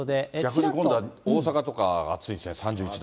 逆に今度は大阪とかが暑いんです、３１度。